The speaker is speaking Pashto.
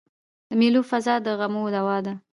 د مېلو فضا د غمو دوا ده.